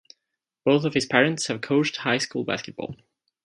Both of his parents have coached high school basketball.